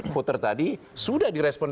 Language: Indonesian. puter tadi sudah direspon